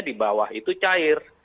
di bawah itu cair